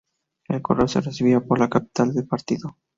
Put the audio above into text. El correo se recibía por la capital del partido.